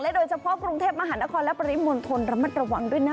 โดยเฉพาะกรุงเทพมหานครและปริมณฑลระมัดระวังด้วยนะ